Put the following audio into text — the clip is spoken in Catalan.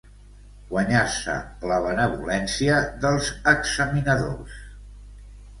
Guanyar-se la benevolència dels examinadors.